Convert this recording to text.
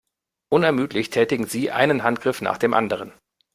Unermüdlich tätigen sie einen Handgriff nach dem anderen.